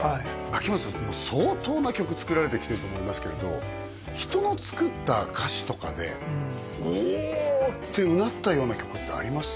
秋元さん相当な曲作られてきてると思いますけれど人の作った歌詞とかで「お！」ってうなったような曲ってあります？